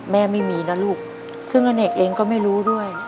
ไม่มีนะลูกซึ่งอเนกเองก็ไม่รู้ด้วย